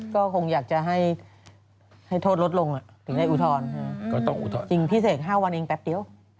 ก็คงอยากจะให้โทษลดลงถึงได้อุทธรณ์จริงพี่เศก๕วันเองแป๊บเดียว